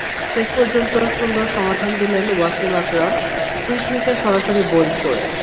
শেষ পর্যন্ত সুন্দর সমাধান দিলেন ওয়াসিম আকরাম, হুইটনিকে সরাসরি বোল্ড করে।